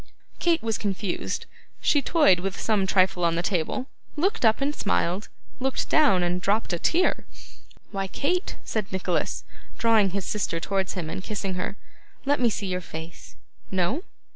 Kate was confused; she toyed with some trifle on the table, looked up and smiled, looked down and dropped a tear. 'Why, Kate,' said Nicholas, drawing his sister towards him and kissing her, 'let me see your face. No?